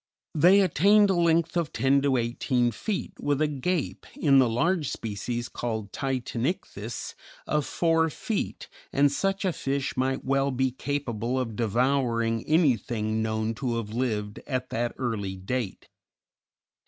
They attained a length of ten to eighteen feet, with a gape, in the large species called Titanichthys, of four feet, and such a fish might well be capable of devouring anything known to have lived at that early date.